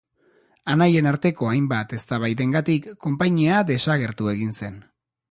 Anaien arteko hainbat eztabaidengatik konpainia desagertu egin zen.